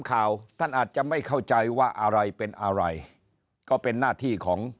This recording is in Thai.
ข่าวท่านอาจจะไม่เข้าใจว่าอะไรเป็นอะไรก็เป็นหน้าที่ของ